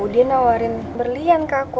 dia nawarin berlian ke aku